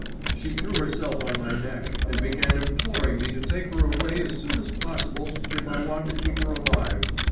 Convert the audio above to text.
She threw herself on my neck and began imploring me to take her away as soon as possible, if I want to keep her alive.